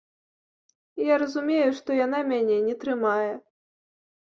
Я разумею, што яна мяне не трымае.